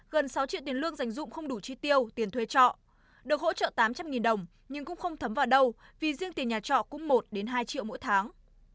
gần sáu triệu tiền lương dành dụng không đủ chi tiêu tiền thuê trọ được hỗ trợ tám trăm linh đồng nhưng cũng không thấm vào đâu vì riêng tiền nhà trọ cũng một hai triệu mỗi tháng